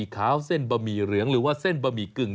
ขาวเส้นบะหมี่เหลืองหรือว่าเส้นบะหมี่กึ่ง